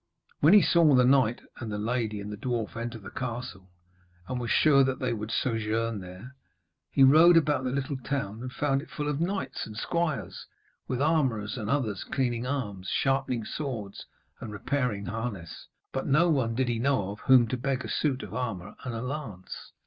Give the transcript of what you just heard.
When he saw the knight and the lady and the dwarf enter the castle, and was sure that they would sojourn there, he rode about the little town, and found it full of knights and squires, with armourers and others cleaning arms, sharpening swords and repairing harness. But no one did he know of whom to beg a suit of armour and a lance.